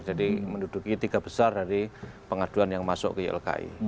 jadi menduduki tiga besar dari pengaduan yang masuk ke ilki